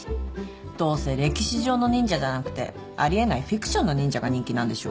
どうせ歴史上の忍者じゃなくてあり得ないフィクションの忍者が人気なんでしょ？